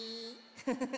フフフフ。